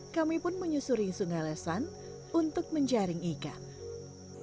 kami pun menyusuri sungai lesan untuk menjaring ikan